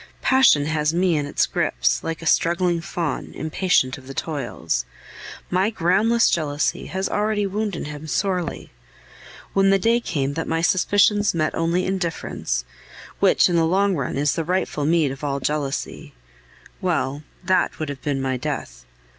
Passion has me in its grips, like a struggling fawn, impatient of the toils. My groundless jealousy has already wounded him sorely. When the day came that my suspicions met only indifference which in the long run is the rightful meed of all jealousy well, that would have been my death.